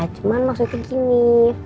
cuman maksudnya gini